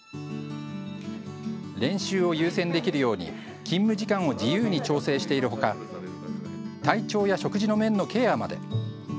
練習を優先できるように勤務時間を自由に調整しているほか、体調や食事の面のケアまで。